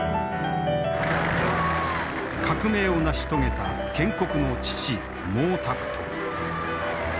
革命を成し遂げた建国の父毛沢東。